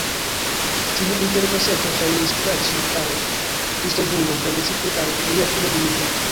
Tiu interkonsento ŝajnis plaĉi al Kristodulo, kaj precipe al lia filo Dimitri.